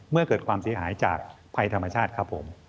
เกิดความเสียหายจากภัยธรรมชาติครับผม